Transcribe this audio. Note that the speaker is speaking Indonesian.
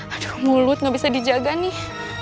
aduh mulut gak bisa dijaga nih